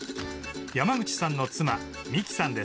山口さんの妻美輝さんです。